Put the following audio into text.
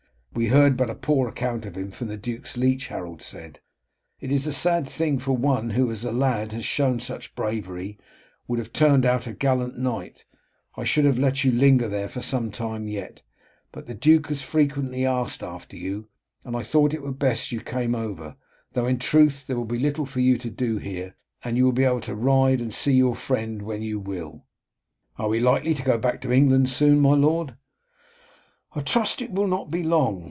"We heard but a poor account of him from the duke's leech," Harold said. "It is a sad thing; for one, who as a lad has shown such bravery, would have turned out a gallant knight. I should have let you linger there for some time yet, but the duke has frequently asked after you, and I thought it were best that you came over; though, in truth, there will be little for you to do here, and you will be able to ride and see your friend when you will." "Are we likely to go back to England soon, my lord?" "I trust it will not be long.